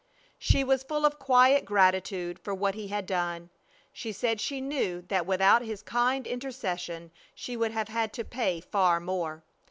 She was full of quiet gratitude for what he had done. She said she knew that without his kind intercession she would have had to pay far more.